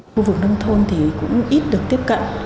khu vực nông thôn thì cũng ít được tiếp cận